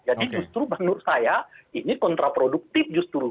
jadi justru menurut saya ini kontraproduktif justru